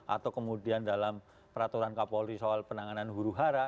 atau kemudian dalam peraturan kapolri soal penanganan huru hara